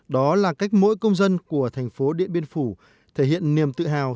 đó là cách mỗi công dân của thành phố điện biên phủ thể hiện niềm tự hào